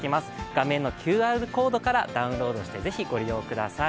画面のＱＲコードからダウンロードして是非ご利用ください。